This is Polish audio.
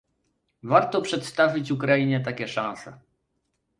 Warto przedstawić Ukrainie takie szanse